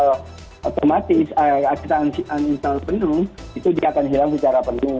ada juga yang telah kita install kita beri akses habis kita uninstall penuh itu dia akan hilang secara penuh